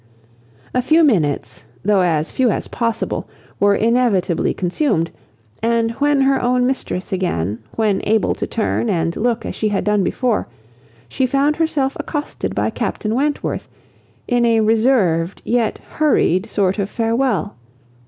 A few minutes, though as few as possible, were inevitably consumed; and when her own mistress again, when able to turn and look as she had done before, she found herself accosted by Captain Wentworth, in a reserved yet hurried sort of farewell.